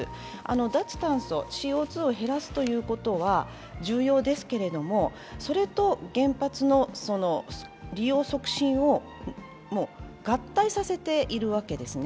脱炭素、ＣＯ２を減らすということは重要ですけども、それと原発の利用促進を合体させているわけですね。